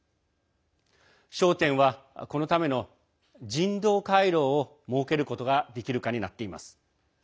焦点は、このための人道回廊を設けることができるかになっています。